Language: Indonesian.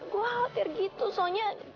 gue hampir gitu soalnya